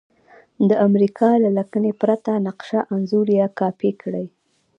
د امریکا له لکنې پرته نقشه انځور یا کاپي کړئ.